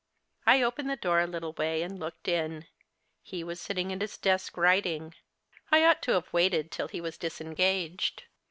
I opened the door a little way and looked in. He was sitting at his desk writing. I ought to have waited till he was disengaged.